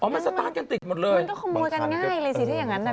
อ๋อมันสตาร์ทกันติดหมดเลยบางครั้งก็เป็นอย่างนั้น